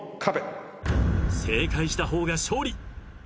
正解した方が勝利。